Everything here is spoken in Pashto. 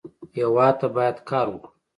هېواد ته باید کار وکړو